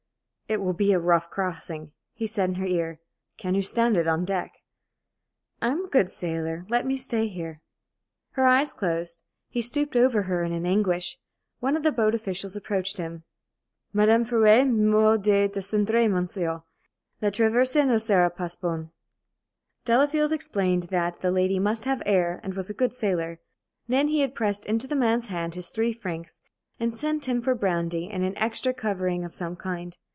"It will be a rough crossing," he said, in her ear. "Can you stand it on deck?" "I am a good sailor. Let me stay here." Her eyes closed. He stooped over her in an anguish. One of the boat officials approached him. "Madame ferait mieux de descendre, monsieur. La traversée ne sera pas bonne." Delafield explained that the lady must have air, and was a good sailor. Then he pressed into the man's hand his three francs, and sent him for brandy and an extra covering of some kind.